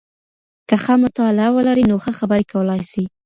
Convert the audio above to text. که ښه مطالعه ولرئ نو ښه خبري کولای سئ.